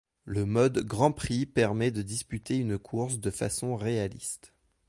Le mode Grand Prix permet de disputer une course de façon réaliste.